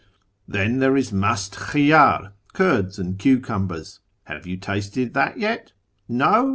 Then there is mast hhiydr (curds and cucumhers) ; have you tasted that yet ? No